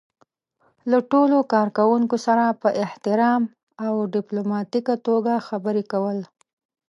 له ټولو کار کوونکو سره په احترام او ډيپلوماتيکه توګه خبرې کول.